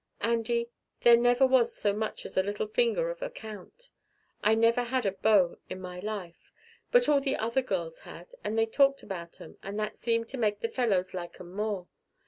Andy, there never was so much as the little finger of a count. I never had a beau in my life. But all the other girls had, and they talked about 'em, and that seemed to make the fellows like 'em more.